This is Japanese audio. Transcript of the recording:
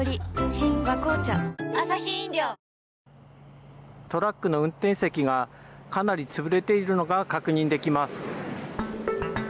新「和紅茶」トラックの運転席がかなり潰れているのが確認できます。